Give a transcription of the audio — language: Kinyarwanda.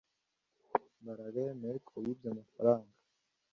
Mbaraga yemeye ko yibye amafaranga